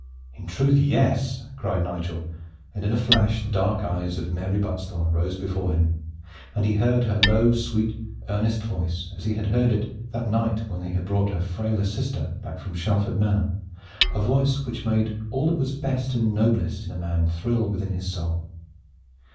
"In truth, yes!" cried Nigel, and in a flash the dark eyes of Mary Buttesthorn rose before him, and he heard her low, sweet, earnest voice as he had heard it that night when they brought her frailer sister back from Shalford Manor, a voice which made all that was best and noblest in a man thrill within his soul.